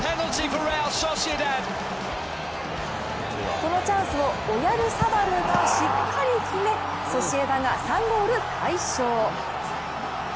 このチャンスをオヤルサバルがしっかり決めソシエダが３ゴール、快勝！